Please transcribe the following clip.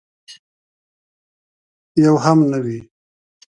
یو هم نه وي.